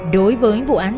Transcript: đối với vụ án